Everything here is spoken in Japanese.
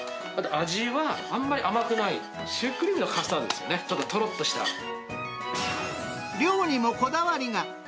味はあんまり甘くない、シュークリームのカスタードですよね、量にもこだわりが。